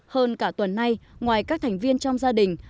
hơn cả tuần nay ngoài các thành viên trong gia đình